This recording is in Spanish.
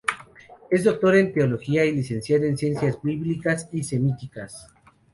Es doctor en teología y licenciado en ciencias bíblicas y semíticas.